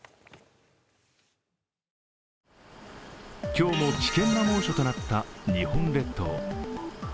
今日も危険な猛暑となった日本列島。